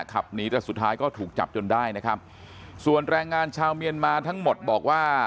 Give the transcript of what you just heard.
ขับหนีแต่สุดท้ายก็ถูกจับจนได้นะครับส่วนแรงงานชาวเมียนมาทั้งหมดบอกว่า